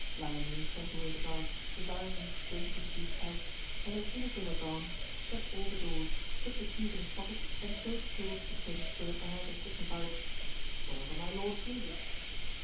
La Ramee sent away the guards, desiring them to drink to the duke's health, and as soon as they were gone shut all the doors, put the keys in his pocket and showed the table to the prince with an air that signified: "Whenever my lord pleases."